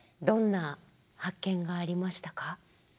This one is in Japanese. どんな発見がありましたか？